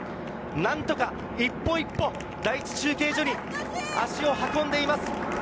何とか一歩一歩、第１中継所に足を運んでいます。